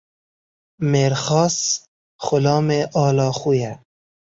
Mêrxas, xulamê ala xwe ye.